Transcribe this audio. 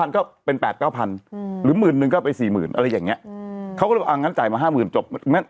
เขาก็เรียกว่าอ่านั้นจ่ายมา๕๐๐๐๐จบ